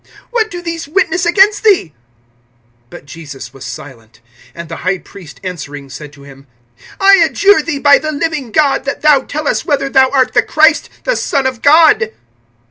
What do these witness against thee? (63)But Jesus was silent. And the high priest answering said to him: I adjure thee by the living God, that thou tell us whether thou art the Christ, the Son of God.